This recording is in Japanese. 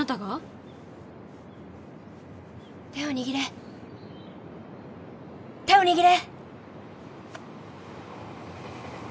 「手を握れ」手を握れ！